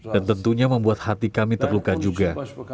dan tentunya membuat hati kami terluka juga